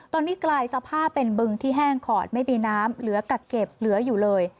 ตอนนี้กลายสภาพเป็นบึงที่แห้งขอดไม่มีน้ำเหลือกักเก็บเหลืออยู่เลย